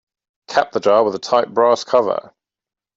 Cap the jar with a tight brass cover.